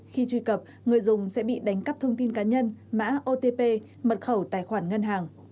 khi truy cập người dùng sẽ bị đánh cắp thông tin cá nhân mã otp mật khẩu tài khoản ngân hàng